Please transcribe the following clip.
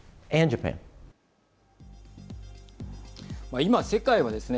今、世界はですね